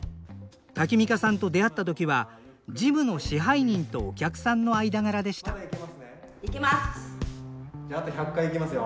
タキミカさんと出会った時はジムの支配人とお客さんの間柄でしたじゃあと１００回いきますよ！